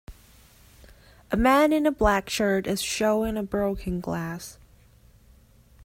A man in a black shirt is showing a broken glass.